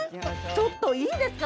ちょっといいですか？